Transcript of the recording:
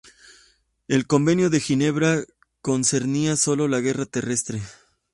El Convenio de Ginebra concernía solo a la guerra terrestre.